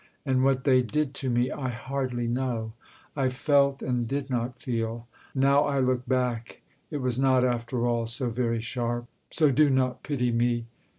And what they did to me I hardly know; I felt, and did not feel. Now I look back, It was not after all so very sharp: So do not pity me.